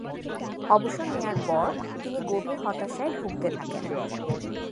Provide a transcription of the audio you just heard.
অবসর নেয়ার পর তিনি গভীর হতাশায় ভুগতে থাকেন।